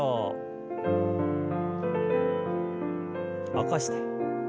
起こして。